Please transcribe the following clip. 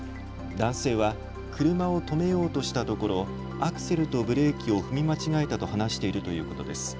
男性は車を止めようとしたところアクセルとブレーキを踏み間違えたと話しているということです。